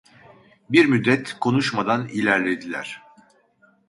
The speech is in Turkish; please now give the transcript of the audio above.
Bir müddet konuşmadan ilerlediler.